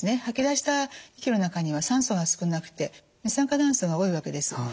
吐き出した呼気の中には酸素が少なくて二酸化炭素が多いわけです。